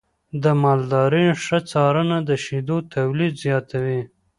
د مالدارۍ ښه څارنه د شیدو تولید زیاتوي.